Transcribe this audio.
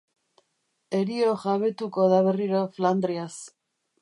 Herio jabetuko da berriro Flandriaz.